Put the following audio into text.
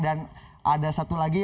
dan ada satu lagi